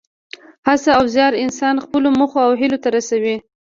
هڅه او زیار انسان خپلو موخو او هیلو ته رسوي.